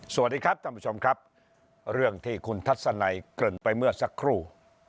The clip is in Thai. สวัสดีครับท่านผู้ชมครับเรื่องที่คุณทัศนัยเกริ่นไปเมื่อสักครู่